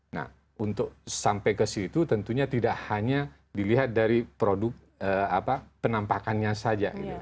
nah untuk sampai ke situ tentunya tidak hanya dilihat dari produk penampakannya saja